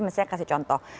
misalnya kasih contoh